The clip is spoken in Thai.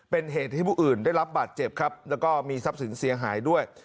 เป็นเหตุให้ผู้อื่นได้รับบาดเจ็บครับแล้วก็มีทรัพย์สินเสียหายด้วย